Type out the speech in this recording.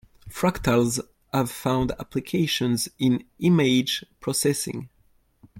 Fractals have found applications in image processing.